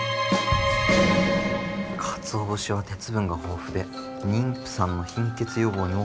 かつお節は鉄分が豊富で妊婦さんの貧血予防にも効果的と。